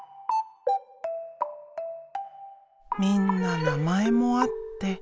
みんな名前もあって。